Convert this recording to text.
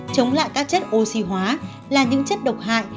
chống lại các chất oxy hóa là những chất độc hại